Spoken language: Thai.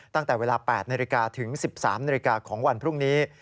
ตั้งแต่เวลา๘๐๐นถึง๑๓๐๐นของวันพรุ่งนี้